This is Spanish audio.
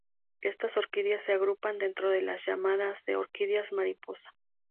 Estas orquídeas se agrupan dentro de las llamadas de Orquídeas Mariposa.